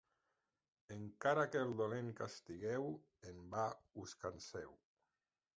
Encara que el dolent castigueu, en va us canseu.